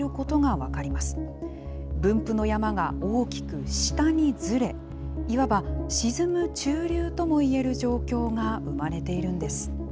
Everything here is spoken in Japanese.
分布の山が大きく下にずれ、いわば沈む中流ともいえる状況が生まれているんです。